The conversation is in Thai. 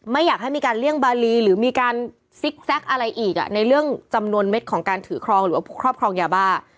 ไม่อยากให้มีการเลี่ยงบาลีหรือมีการซิกแซคอะไรอีกในเรื่องจำนวนเม็ดของการถือครองหรือว่าผู้ครอบครองยาบ้า